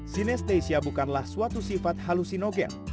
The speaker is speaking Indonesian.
sinesthesia bukanlah suatu sifat halusinogen